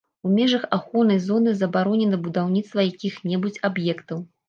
У межах ахоўнай зоны забаронена будаўніцтва якіх-небудзь аб'ектаў.